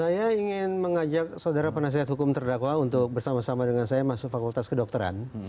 saya ingin mengajak saudara penasihat hukum terdakwa untuk bersama sama dengan saya masuk fakultas kedokteran